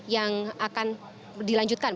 yang akan dilanjutkan